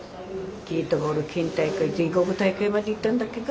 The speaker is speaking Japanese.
ゲートボール県大会全国大会まで行ったんだっけか？